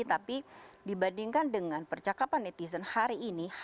tapi dibandingkan dengan percakapan netizen hari ini